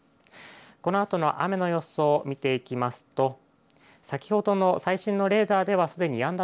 このあとの雨の予想を見ていきますと先ほどの最新のレーダーではすでにやんだ